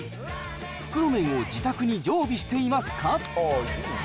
袋麺を自宅に常備していますか？